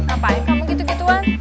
apaan kamu gitu gituan